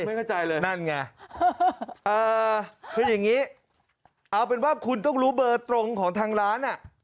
ไม่เข้าใจเลยนั่นไงเออคืออย่างนี้เอาเป็นว่าคุณต้องรู้เบอร์ตรงของทางร้านอ่ะ